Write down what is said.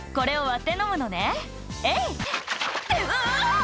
「ってうわ！」